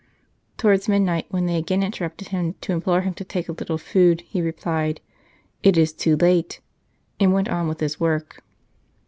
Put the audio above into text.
Towards midnight, when they again interrupted him to implore him to take a little food, he replied, "It is too late," and went on with his work.